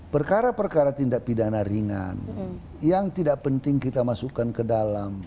perkara perkara tindak pidana ringan yang tidak penting kita masukkan ke dalam